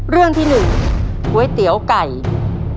เพื่อชิงทุนต่อชีวิตสูงสุด๑ล้านบาท